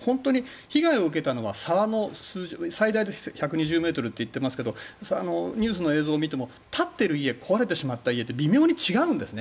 本当に被害を受けたのは最大１２０ｍといっていますがニュースの映像を見ると立っている家、壊れた家って微妙に違うんですね。